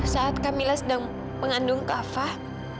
saat kak mila sedang mengandung kak fah